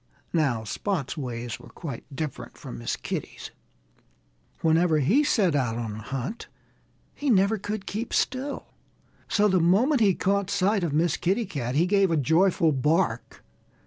Now, Spot's ways were quite different from Miss Kitty's. Whenever he set out on a hunt he never could keep still. So the moment he caught sight of Miss Kitty Cat he gave a joyful bark.